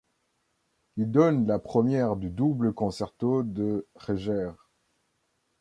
Il donne la première du double concerto de Reger.